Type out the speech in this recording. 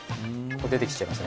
出てきちゃいます